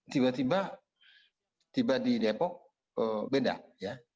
tiba tiba di depok beda ya